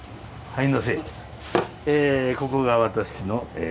はい。